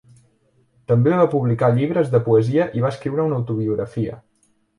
També va publicar llibres de poesia i va escriure una autobiografia.